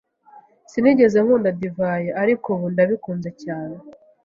Sinigeze nkunda divayi, ariko ubu ndabikunze cyane.